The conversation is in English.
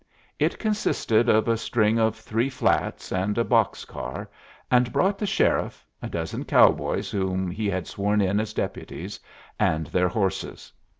It consisted of a string of three flats and a box car, and brought the sheriff, a dozen cowboys whom he had sworn in as deputies, and their horses.